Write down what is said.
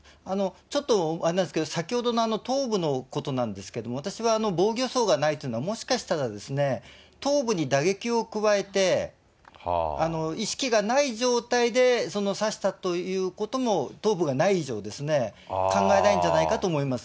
ちょっとあれなんですけど、先ほどの頭部のことなんですけども、私は防御そうがないというのはもしかしたら、頭部に打撃を加えて、意識がない状態で刺したということも、頭部がない以上ですね、考えられるんじゃないかなと思います。